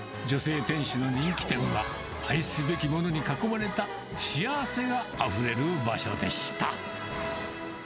女性店主の人気店は、愛すべきものに囲まれた幸せがあふれる場所でした。